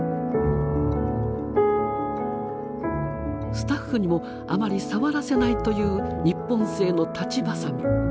スタッフにもあまり触らせないという日本製の裁ちばさみ。